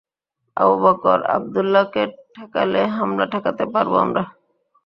আবু বকর আবদুল্লাহকে ঠেকালে হামলা ঠেকাতে পারব আমরা।